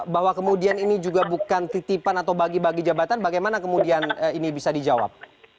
bahwa kemudian ini juga bukan titipan atau bagi bagi jabatan bagaimana kemudian ini bisa dijawab